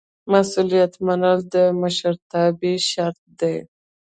مسؤلیت منل د مشرتابه شرط دی.